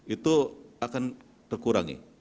itu akan terkurangi